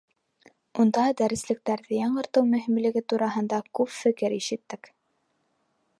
Унда дәреслектәрҙе яңыртыу мөһимлеге тураһында күп фекер ишеттек.